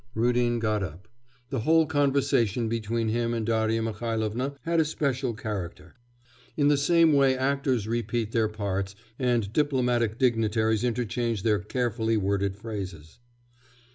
Rudin got up. The whole conversation between him and Darya Mihailovna had a special character. In the same way actors repeat their parts, and diplomatic dignitaries interchange their carefully worded phrases.